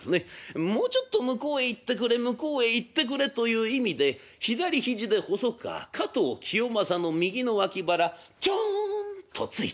もうちょっと向こうへ行ってくれ向こうへ行ってくれという意味で左肘で細川加藤清正の右の脇腹ちょんと突いた。